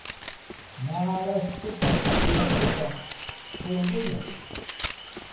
Maaraspitam kachita hurquyan.